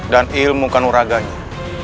dan ilmu kanuraganya